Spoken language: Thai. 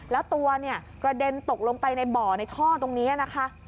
แล้วตัวเนี่ยกระเด็นตกลงไปในบ่อในท่อตรงนี้นะคะ